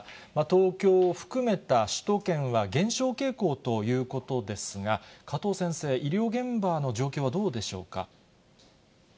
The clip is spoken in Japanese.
東京を含めた首都圏は減少傾向ということですが、加藤先生、医療現場の状況はどうでしょうか。